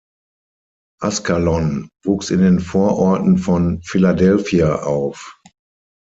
Ascalon wuchs in den Vororten von Philadelphia auf.